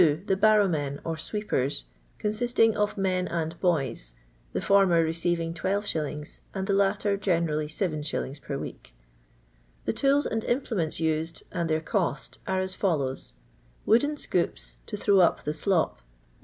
The barrow men, or sweepers, consisting of men and hoyn; the former receiving 12s. and the latter generally 7». per week. The tools and implements used, and their cost, are as follows :— ^wooden scoops, to throw up the slop. Is.